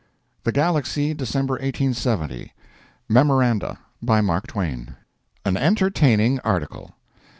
THE GALAXY, December 1870 MEMORANDA. BY MARK TWAIN. AN ENTERTAINING ARTICLE.